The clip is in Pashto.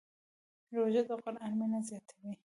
روژه د قرآن مینه زیاتوي.